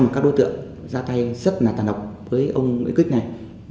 các đối tượng ra tay rất là tàn độc với ông kích này